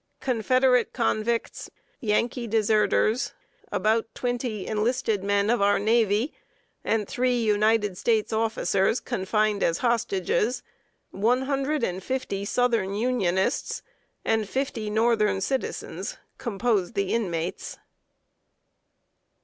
Confederate convicts, Yankee deserters, about twenty enlisted men of our navy and three United States officers confined as hostages, one hundred and fifty Southern Unionists, and fifty northern citizens, composed the inmates.